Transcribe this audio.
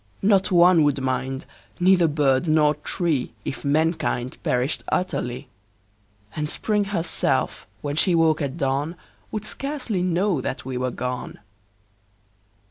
Not one would mind, neither bird nor tree If mankind perished utterly; And Spring herself, when she woke at dawn, Would scarcely know that we were gone.